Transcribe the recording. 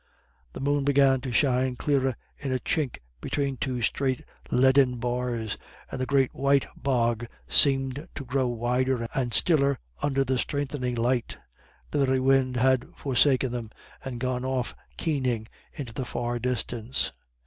The moon began to shine clearer in a chink between two straight leaden bars, and the great white bog seemed to grow wider and stiller under the strengthening light. The very wind had forsaken them, and gone off keening into the far distance.